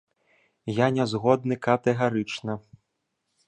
Я не згодны катэгарычна.